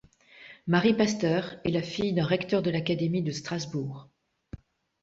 Marie Pasteur est la fille d'un recteur de l'académie de Strasbourg.